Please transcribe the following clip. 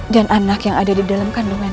dan anak yang ada di dalam kandunganmu